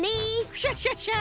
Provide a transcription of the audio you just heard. クシャシャシャ！